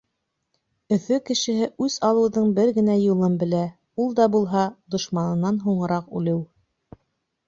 Өфө кешеһе үс алыуҙың бер генә юлын белә, ул да булһа — дошманынан һуңыраҡ үлеү.